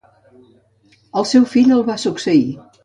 El seu fill el va succeir.